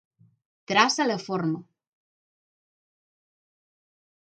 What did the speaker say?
Traça la forma.